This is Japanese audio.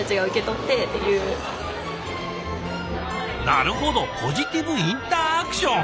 なるほどポジティブインターアクション。